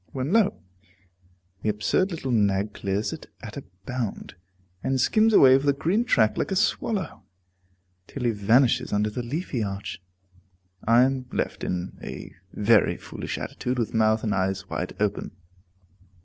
When lo! the absurd little nag clears it at a bound, and skims away over the green track like a swallow, till he vanishes under the leafy arch. I am left in a very foolish attitude, with mouth and eyes wide open.